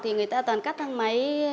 thì người ta toàn cắt thang máy